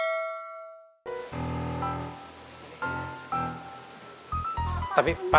kamu tahu belum nanti aku akan ke tempat